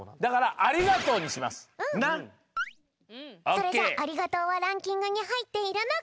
それじゃあありがとうはランキングにはいっているのか？